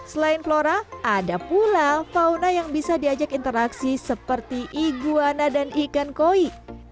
selain flora ada pula fauna yang bisa diajak interaksi seperti iguana dan ikan koi